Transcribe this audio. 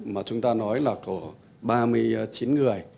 mà chúng ta nói là có ba mươi chín người